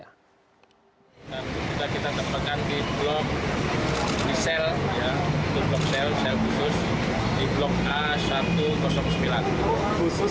tinggal kita teperkan di blok cel blok sel rel khusus